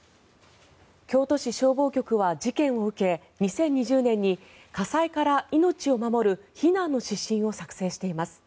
京都市消防局は事件を受け２０２０年に火災から命を守る避難の指針を作成しています。